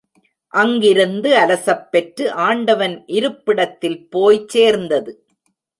அங்கிருந்து அலசப் பெற்று ஆண்டவன் இருப்பிடத்தில் போய் சேர்ந்தது.